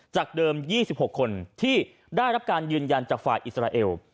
จากเดิม๒๖คนที่ได้รับการยืนยันจากฝ่ายอิสราเอล